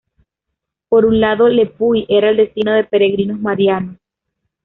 Por un lado Le Puy era el destino de peregrinos marianos.